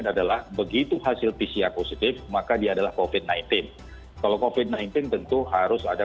adalah begitu hasil pcr positif maka dia adalah covid sembilan belas kalau covid sembilan belas tentu harus ada